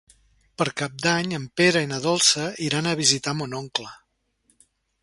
Per Cap d'Any en Pere i na Dolça iran a visitar mon oncle.